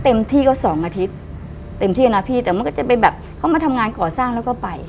เต็มที่ก็สองอาทิตย์เต็มที่นะพี่แต่มันก็จะไปแบบเขามาทำงานก่อสร้างแล้วก็ไป